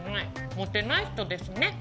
モテない人ですね。